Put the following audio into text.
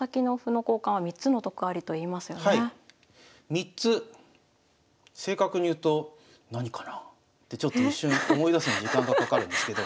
３つ正確に言うと何かなあってちょっと一瞬思い出すのに時間がかかるんですけど。